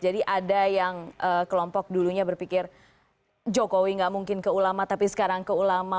jadi ada yang kelompok dulunya berpikir jokowi gak mungkin ke ulama tapi sekarang ke ulama